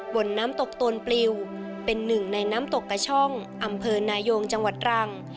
บนน้ำตกโตนปลิวเป็นหนึ่งในน้ำตกกระช่องอำเภอนายงจังหวัดรัง